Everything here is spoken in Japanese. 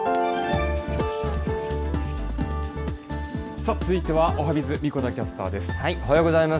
さあ、続いてはおはＢｉｚ、神子田キャスターです。